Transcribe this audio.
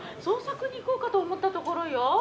捜索に行こうかと思ったところよ。